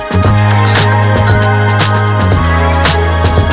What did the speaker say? tante seorang ngechat gue semalam